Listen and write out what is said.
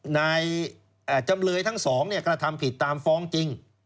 นายจำเลยทั้งสองกระทำผิดตามฟ้องจริง